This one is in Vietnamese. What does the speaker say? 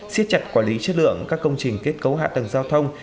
xiết chặt quản lý chất lượng các công trình kết cấu hạ tầng giao thông